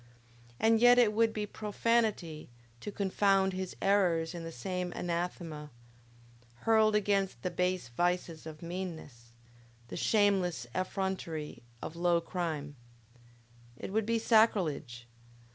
And yet it would be profanity to confound his errors in the same anathema, hurled against the base vices of meanness, the shameless effrontery of low crime! It would be sacrilege!